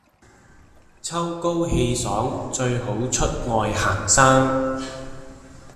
秋高氣爽最好出外行山